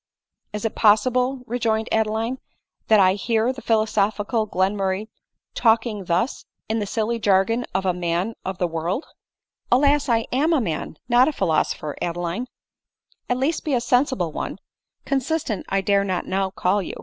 " Is it possible," rejoined Adeline, " that I hear the philosophical Glenmurray talking thus, in the silly jargon of a man of the world ?"" Alas ! I am a man, not a philosopher, Adeline !" "At least be a sensible one ; consistent I dare not now call SB ADELINE MOWBRAY. 43 you.